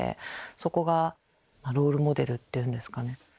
そこがロールモデルっていうんですかね